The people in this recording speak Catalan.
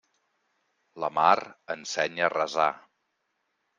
La mar ensenya a resar.